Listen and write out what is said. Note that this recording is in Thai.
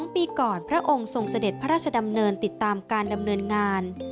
ปีก่อนพระองค์ทรงเสด็จพระราชดำเนินติดตามการดำเนินงาน